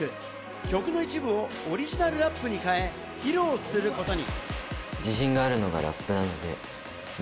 曲の一部をオリジナルラップに変え、披露することに。